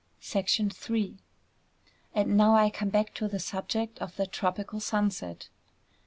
III And now I come back to the subject of that tropical sunset.